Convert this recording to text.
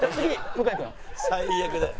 最悪だよ。